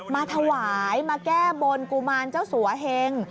มาถวายมาแก้บนกุมารเจ้าสัวเฮง